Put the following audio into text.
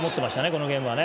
このゲームはね。